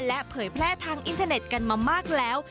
ผละแผลทางอินเทอร์เน็ตกันมามากแล้ว